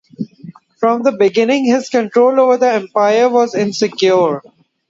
From the beginning, his control over the empire was insecure.